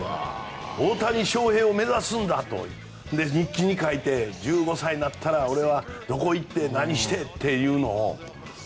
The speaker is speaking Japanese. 大谷翔平を目指すんだと日記に書いて１５歳になったら俺はどこ行って何してっていうのを。